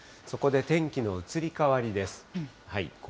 そこで天気の移り変わりです。